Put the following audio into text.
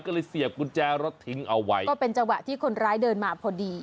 ก็เลยเสียบกุญแจรถทิ้งเอาไว้ก็เป็นจังหวะที่คนร้ายเดินมาพอดี